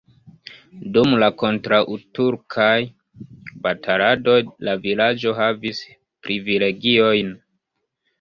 Dum la kontraŭturkaj bataladoj la vilaĝo havis privilegiojn.